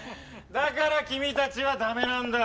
だから君たちはダメなんだ。